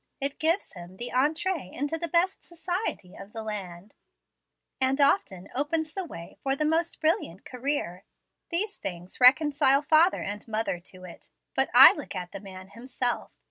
It gives him the entree into the best society of the land, and often opens the way for the most brilliant career. These things reconcile father and mother to it, but I look at the man himself.